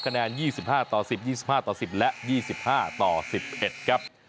แนน๒๕ต่อ๑๐๒๕ต่อ๑๐และ๒๕ต่อ๑๑ครับ